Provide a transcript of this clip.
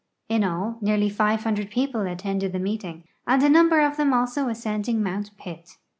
In all, nearly 500 people attended the meeting, a number of them also ascending Mount Pitt.